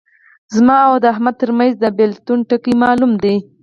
زما او د احمد ترمنځ د بېلتون ټکی معلوم دی.